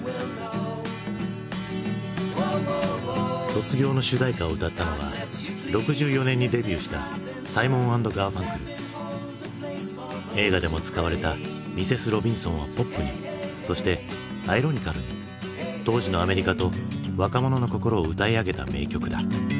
「卒業」の主題歌を歌ったのは６４年にデビューした映画でも使われた「ミセス・ロビンソン」はポップにそしてアイロニカルに当時のアメリカと若者の心を歌い上げた名曲だ。